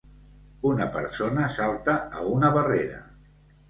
Una persona salta a una barrera